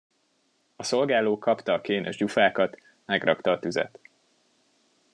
A szolgáló kapta a kénes gyufákat, megrakta a tüzet.